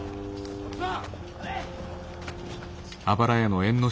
こっちだ！